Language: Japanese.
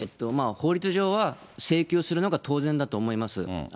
法律上は請求するのが当然だと思います。